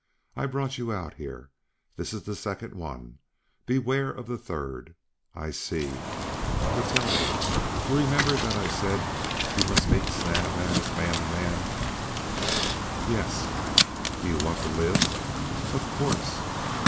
I brought you out here. This is the second one. Beware of the third! I see but tell me, do you remember that I said you must meet Snap as man to man?" "Yes." "Don't you want to live?" "Of course."